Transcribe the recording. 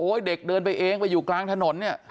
เด็กเดินไปเองไปอยู่กลางถนนเนี่ย